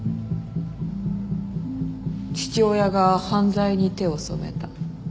父親が犯罪に手を染めた。